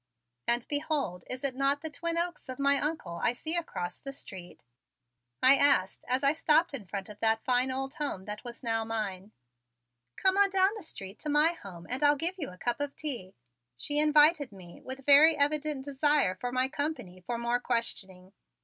"And behold, is it not the Twin Oaks of my Uncle I see across the street?" I asked as I stopped in front of that fine old home that was now mine. "Come on down the street to my home and I'll give you a cup of tea," she invited me with very evident desire for my company for more questioning.